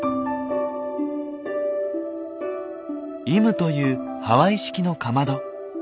「イム」というハワイ式のかまど。